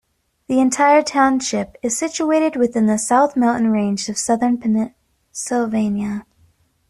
The entire township is situated within the South Mountain range of southern Pennsylvania.